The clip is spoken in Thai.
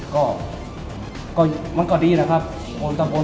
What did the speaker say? ขอเชิญลุงนี้ดีกว่าไม่ยอมลงรถ